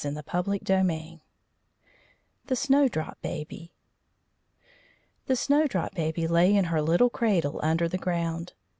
"_ THE SUN'S BABIES THE SNOWDROP BABY The Snowdrop Baby lay in her little cradle under the ground.